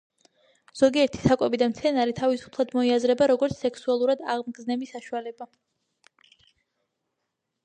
ზოგიერთი საკვები და მცენარე თავისთავად მოიაზრება, როგორც სექსუალურად აღმგზნები საშუალება.